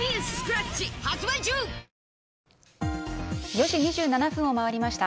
４時２７分を回りました。